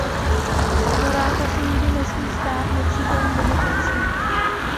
Morálka se nikdy nesmí stát nepřítelem demokracie!